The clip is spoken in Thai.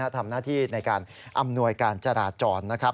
ทำหน้าที่ในการอำนวยการจราจรนะครับ